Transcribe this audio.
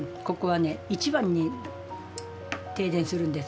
一番に停電するんですよ。